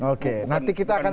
oke nanti kita akan